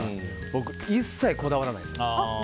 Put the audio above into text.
僕、一切こだわらないです。